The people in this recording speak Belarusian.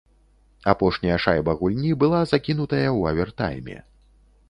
Апошняя шайба гульні была закінутая ў авертайме.